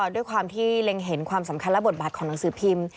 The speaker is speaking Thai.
ด้วยความที่เล็งเห็นความสำคัญและบทบาทของหนังสือพิมพ์